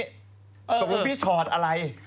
แต่มีพี่ชอดอะไร